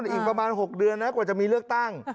อีกประมาณ๖เดือนนะกว่าจะมีเลือกตั้ง